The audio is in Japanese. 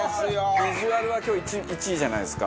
ビジュアルは今日１位じゃないですか？